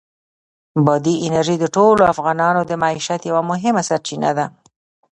بادي انرژي د ټولو افغانانو د معیشت یوه مهمه سرچینه ده.